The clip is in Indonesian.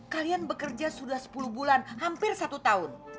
kalian bekerja sudah sepuluh bulan hampir satu tahun